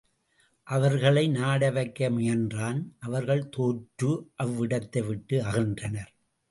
அவர்களை நாட வைக்க முயன்றான் அவர்கள் தோற்று அவ் இடத்தை விட்டு அகன்றனர்.